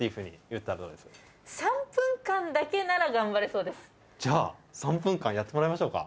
そこでじゃあ３分間やってもらいましょうか。